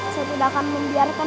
saya tidak akan membiarkan